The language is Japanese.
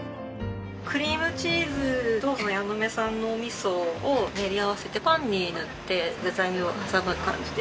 クリームチーズと矢ノ目さんのお味噌を練り合わせてパンに塗って具材を挟む感じで。